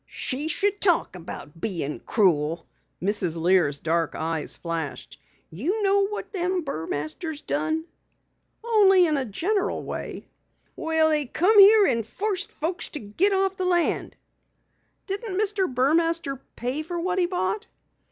"She should talk about being cruel!" Mrs. Lear's dark eyes flashed. "You know what them Burmasters done?" "Only in a general way." "Well, they come here, and forced folks to git off the land." "Didn't Mr. Burmaster pay for what he bought?"